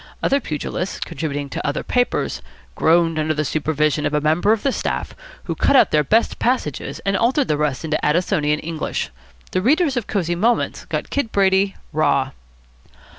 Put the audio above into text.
Other pugilists, contributing to other papers, groaned under the supervision of a member of the staff who cut out their best passages and altered the rest into Addisonian English. The readers of Cosy Moments got Kid Brady raw.